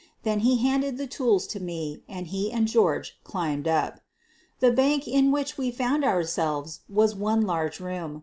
Then he handed the tools to me and he and George climbed up. The bank in which we found ourselves was one large room.